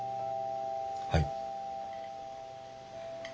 はい。